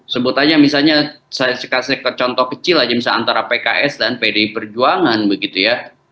sebut aja misalnya saya kasih ke contoh kecil aja misalnya antara pks dan pdi perjuangan begitu ya